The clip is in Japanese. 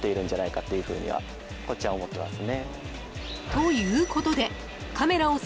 ［ということで］